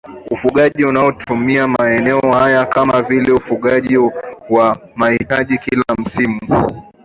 ufugaji unaotumiwa maeneo haya kama vile ufugaji wa uhamaji wa kila msimu